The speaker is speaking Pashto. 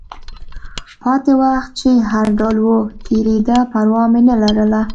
پاتې وخت چې هر ډول و، تېرېده، پروا مې نه لرله.